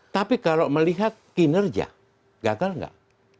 tapi kalau melihat kinerja gagal nggak